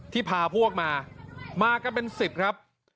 ที่พาพวกมามากก็เป็นสิบครับ